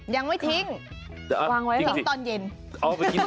ยังไม่ทิ้งทิ้งตอนเย็น